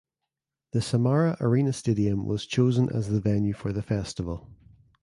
The Samara Arena stadium was chosen as the venue for the festival.